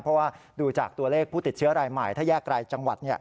เพราะว่าดูจากตัวเลขผู้ติดเชื้อรายใหม่ถ้าแยกรายจังหวัด